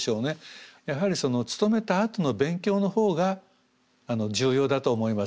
やはり勤めたあとの勉強のほうが重要だと思います。